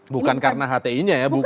bukan karena hti nya ya